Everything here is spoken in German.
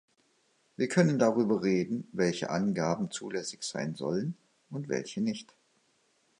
Wir können darüber reden, welche Angaben zulässig sein sollen und welche nicht.